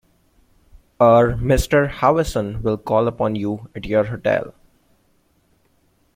Our Mr Howison will call upon you at your hotel.